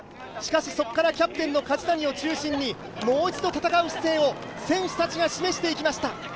しかし、そこからキャプテンの梶谷を中心にもう一度戦う姿勢を選手たちが示していきました。